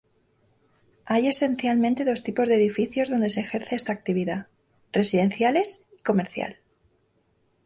Hay esencialmente dos tipos de edificios donde se ejerce esta actividad: residenciales y comercial.